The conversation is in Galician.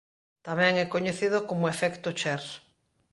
Tamén é coñecido como efecto Cher.